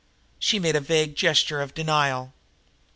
She made a vague gesture of denial.